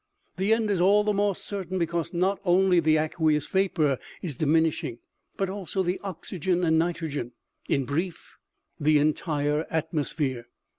" This end is all the more certain, because not only the aqueous vapor is diminishing, but also the oxygen and nitrogen, in brief, the entire atmosphere.